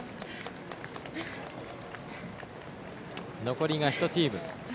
残りが１チーム。